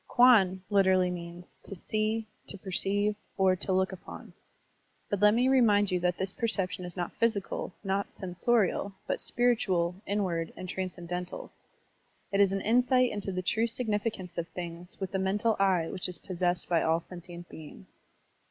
Kwan literally means "to see," "to perceive," or "to look upon." But let me remind you that this perception is not physical, not sensorial, but spiritual, inward, and tran scendental. It is an insight into the true signifi cance of things with the mental eye which is possessed by all sentient beings.